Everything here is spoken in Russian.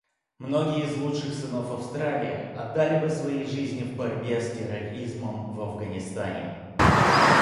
Многие из лучших сынов Австралии отдали свои жизни в борьбе с терроризмом в Афганистане.